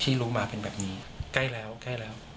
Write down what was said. รู้มาเป็นแบบนี้ใกล้แล้วใกล้แล้ว